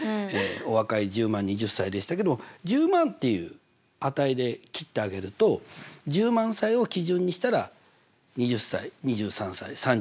お若い１０万２０歳でしたけども１０万っていう値で切ってあげると１０万歳を基準にしたら２０歳２３歳３２歳４０歳４５歳だから。